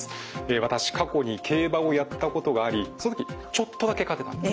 私過去に競馬をやったことがありその時ちょっとだけ勝てたんです。